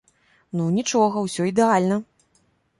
Ну, нічога, усё ідэальна!